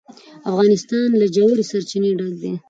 افغانستان له ژورې سرچینې ډک دی.